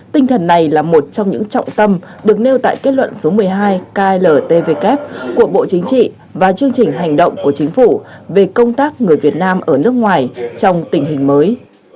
tinh thần này là một trong những trọng tâm được nêu tại kết luận số một mươi hai kltvk của bộ chính trị và chương trình hành động của chính phủ về công tác người việt nam ở nước ngoài trong tình hình mới